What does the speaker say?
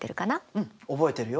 うん覚えてるよ。